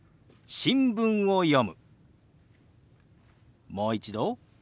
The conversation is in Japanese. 「新聞を読む」。